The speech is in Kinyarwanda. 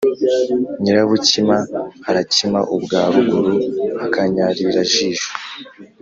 Nyirabukima arakima ubwa ruguru-Akanyarirajisho.